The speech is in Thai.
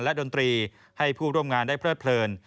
และดนตรีให้ผู้ร่วมงานได้เพลิดเพลิน